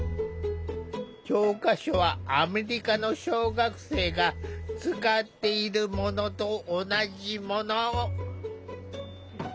教科書はアメリカの小学生が使っているものと同じもの。